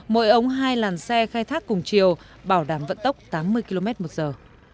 mỗi ống hai làn xe khai thác cùng chiều bảo đảm vận tốc tám mươi km một giờ